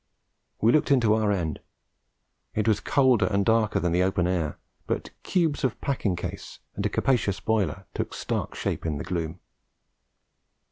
We looked into our end; it was colder and darker than the open air, but cubes of packing case and a capacious boiler took stark shape in the gloom.